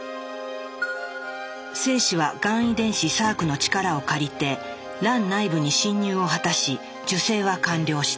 精子はがん遺伝子サークの力を借りて卵内部に侵入を果たし受精は完了した。